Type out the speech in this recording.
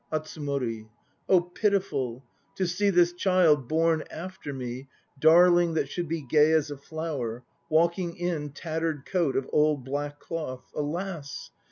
ATSUMORI. Oh pitiful! To see this child, born after me, Darling that should be gay as a flower, Walking in tattered coat of old black cloth. Alas!